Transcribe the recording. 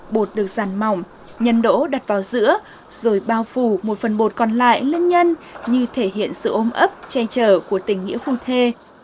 bột được giàn mỏng nhân đỗ đặt vào giữa rồi bao phủ một phần bột còn lại lên nhân như thể hiện sự ôm ấp che chở của tình nghĩa khung thê